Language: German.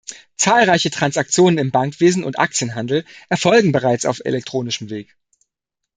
Zahlreiche Transaktionen im Bankwesen und Aktienhandel erfolgen bereits auf elektronischem Weg.